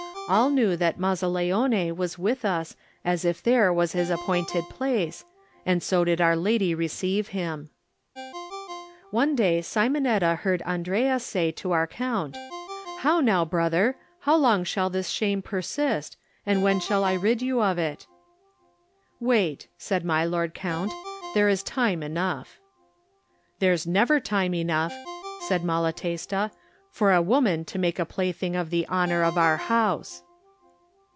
All knew that Maz zaleone was with us as if there was his ap pointed place, and so did our lady receive him. Digitized by Google THE NINTH MAN One day Simonetta heard Andrea say to our count, "How now, brother; how long shall this shame persist, and when shall I rid you of it?" "Wait," said my lord count; "there is time enough, there is time enough." "There's never time enough," said Mala testa, "for a woman to make a plaything of the honor of our house."